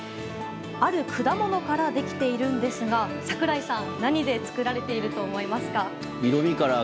ある果物からできているんですが櫻井さん何で作られていると思いますか？